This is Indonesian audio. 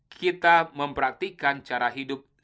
kita mempraktikan cara hidup